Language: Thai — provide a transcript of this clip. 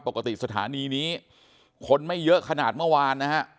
ปกติสถานีนี้คนไม่เยอะขนาดเมื่อวานนะฮะ